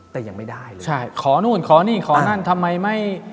แต่ยังไม่ได้เลยใช่ขอนู่นขอนี่ขอนั่นทำไมไม่